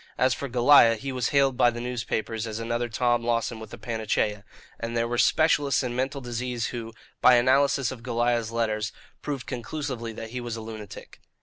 As for Goliah, he was hailed by the newspapers as another Tom Lawson with a panacea; and there were specialists in mental disease who, by analysis of Goliah's letters, proved conclusively that he was a lunatic.